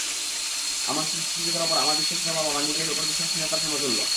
আমার সৃষ্টিশীলতার ওপর আমার বিশ্বাসের অভাব আমার নিজের ওপর বিশ্বাসহীনতার সমতুল্য।